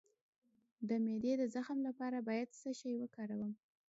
د معدې د زخم لپاره باید څه شی وکاروم؟